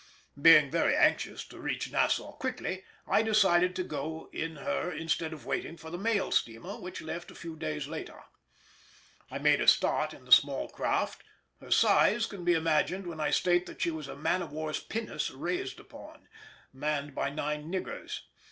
Being very anxious to reach Nassau quickly, I decided to go in her instead of waiting for the mail steamer which left a few days later. I made a start in the small craft (her size can be imagined when I state that she was a man of war's pinnace raised upon) manned by nine niggers.